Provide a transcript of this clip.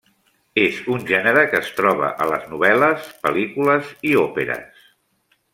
És un gènere que es troba a les novel·les, pel·lícules i òperes.